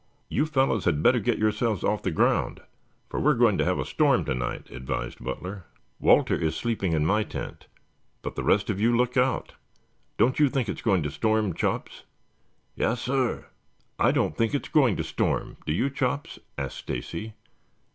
"You fellows had better get yourselves off the ground, for we are going to have a storm tonight," advised Butler. "Walter is sleeping in my tent, but the rest of you look out. Don't you think it's going to storm, Chops?" "Yassir." "I don't think it's going to storm, do you, Chops?" asked Stacy.